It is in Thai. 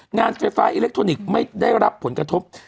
งานไฟฟ้าอิเล็กทรอนิกส์ไม่ได้รับผลกระทบ